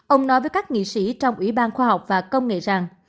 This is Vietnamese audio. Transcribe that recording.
ông nói với các nghị sĩ trong ủy ban khoa học và công nghệ rằng